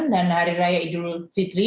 dan hari raya idul fitri